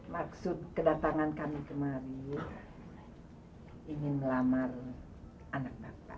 maksud kedatangan kami kemarin ya